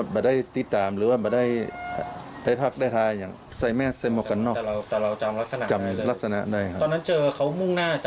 ตอนนั้นเจอเขามุ่งหน้านั้นจากทางไหนไปทางไหนครับ